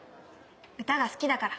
歌が好きだから。